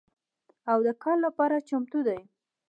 او د کار لپاره چمتو دي